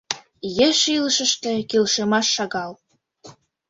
Еш илышыште келшымаш шагал.